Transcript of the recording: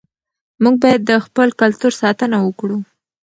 موږ باید د خپل کلتور ساتنه وکړو.